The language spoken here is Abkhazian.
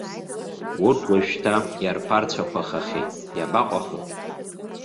Урҭ уажәшьҭа иарԥарцәақәахахьеит, иабаҟаху.